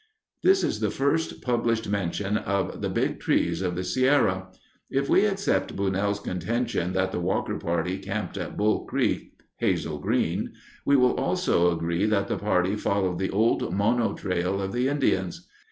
This is the first published mention of the Big Trees of the Sierra. If we accept Bunnell's contention that the Walker party camped at Bull Creek (Hazel Green), we will also agree that the party followed the old Mono Trail of the Indians.